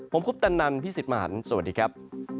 ผมคุปตันนันพี่สิทธิ์มหันฯสวัสดีครับ